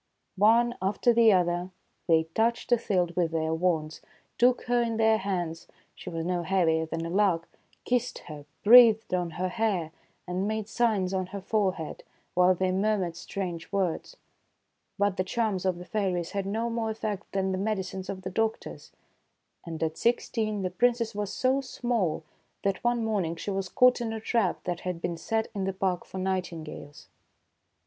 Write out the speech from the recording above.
One after the other they touched Othilde with their wands, took her in their hands, — she was no heavier than a lark, — kissed her, breathed on her hair, and made signs on her forehead, while they murmured strange words. But the charms of the fairies had no more effect than the medicines of the doctors ; and at sixteen the Princess was so small that one morning she was caught in a trap that had been set in the park for nightingales.